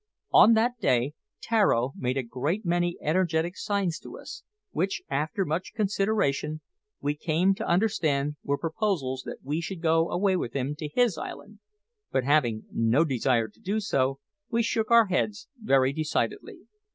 On that day Tararo made a great many energetic signs to us, which, after much consideration, we came to understand were proposals that we should go away with him to his island; but having no desire to do so, we shook our heads very decidedly.